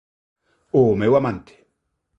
Ó meu amante.